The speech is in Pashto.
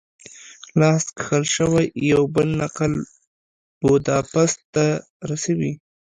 لاس کښل شوی یو بل نقل بوداپست ته رسوي.